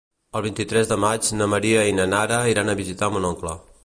El vint-i-tres de maig na Maria i na Nara iran a visitar mon oncle.